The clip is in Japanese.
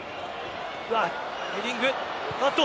ヘディング。